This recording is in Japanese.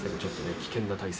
危険な体勢